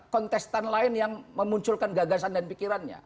kontestan lain yang memunculkan gagasan dan pikirannya